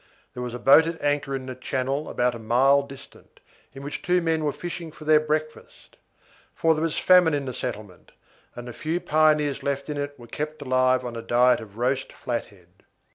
There was a boat at anchor in the channel about a mile distant, in which two men were fishing for their breakfast, for there was famine in the settlement, and the few pioneers left in it were kept alive on a diet of roast flathead.